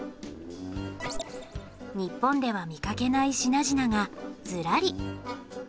日本では見かけない品々がずらり。